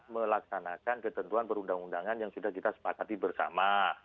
melaksanakan ketentuan perundang undangan yang sudah kita sepakati bersama